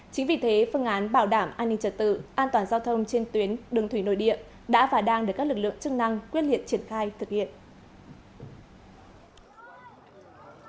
chính vì thế phương án bảo đảm an ninh trật tự an toàn giao thông trên tuyến đường thủy nội địa đã và đang được các lực lượng chức năng quyết liệt triển khai thực hiện